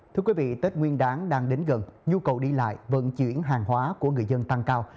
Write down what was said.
thưa quý vị tết nguyên đáng đang đến gần nhu cầu đi lại vận chuyển hàng hóa của người dân tăng cao